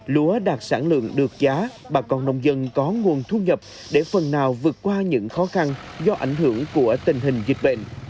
lúa đạt sản lượng được giá bà con nông dân có nguồn thu nhập để phần nào vượt qua những khó khăn do ảnh hưởng của tình hình dịch bệnh